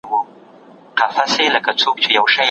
که تعلیم عام نه سي، ستونزي به پاته سي.